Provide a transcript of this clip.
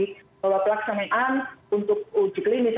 bahwa pelaksanaan untuk uji klinis